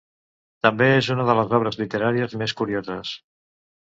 També és una de les obres literàries més curioses.